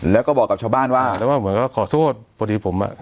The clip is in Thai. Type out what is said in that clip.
แล้วก็บอกกับชาวบ้านว่าแล้วก็เหมือนก็ขอโทษพอดีผมอ่ะ